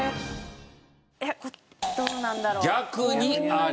えっどうなんだろう？